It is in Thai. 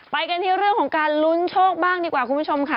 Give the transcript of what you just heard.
ไปกันที่เรื่องของการลุ้นโชคบ้างดีกว่าคุณผู้ชมค่ะ